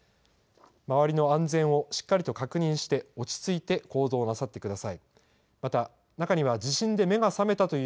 周りの安全をしっかりと確認して、落ち着いて行動なさってください。